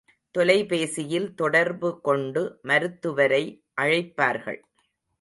தொலைபேசியில் தொடர்பு கொண்டு மருத்துவரை அழைப்பார்கள்.